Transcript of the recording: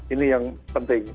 ini yang penting